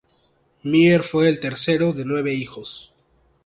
Myer fue el tercero de nueve hijos.